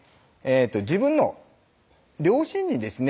自分の両親にですね